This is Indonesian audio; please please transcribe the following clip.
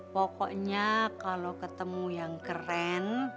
pokoknya kalau ketemu yang keren